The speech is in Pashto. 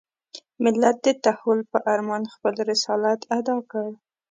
ملت د تحول په ارمان خپل رسالت اداء کړ.